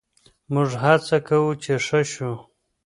موږ هڅه کوو چې ښه شو.